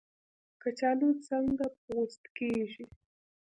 کچالو څنګه پوست کیږي؟